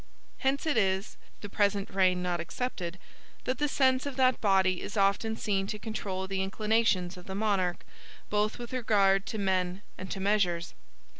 Hence it is (the present reign not excepted) that the sense of that body is often seen to control the inclinations of the monarch, both with regard to men and to measures.